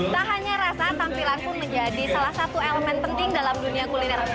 tak hanya rasa tampilan pun menjadi salah satu elemen penting dalam dunia kuliner